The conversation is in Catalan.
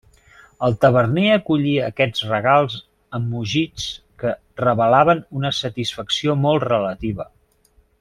El taverner acollia aquests regals amb mugits que revelaven una satisfacció molt relativa.